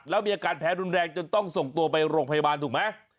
แล้วมีอาการแพ้รุนแรงจนต้องส่งตัวไปโรงพยาบาลถูกไหม